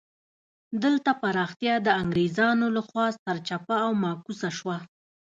دلته پراختیا د انګرېزانو له خوا سرچپه او معکوسه شوه.